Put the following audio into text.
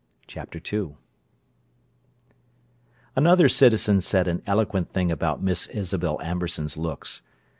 Chapter II Another citizen said an eloquent thing about Miss Isabel Amberson's looks.